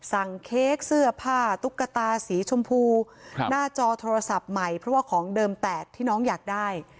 เค้กเสื้อผ้าตุ๊กตาสีชมพูหน้าจอโทรศัพท์ใหม่เพราะว่าของเดิมแตกที่น้องอยากได้